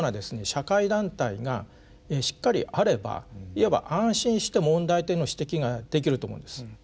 社会団体がしっかりあればいわば安心して問題点の指摘ができると思うんです。